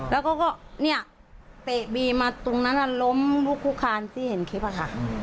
แล้วก็เนี่ยเตะบีมาตรงนั้นล้มลุกคุกคานที่เห็นคลิปอะค่ะ